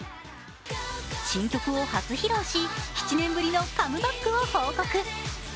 新曲を初披露し、７年ぶりのカムバックを報告。